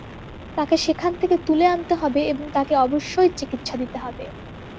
তাকে সেখান থেকে তুলে আনতে হবে এবং তাকে অবশ্যই চিকিৎসা দিতে হবে।